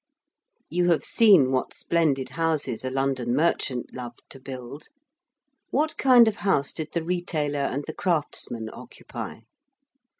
You have seen what splendid houses a London merchant loved to build. What kind of house did the retailer and the craftsman occupy?